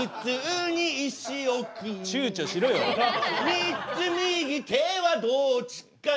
３つ右手はどっちかな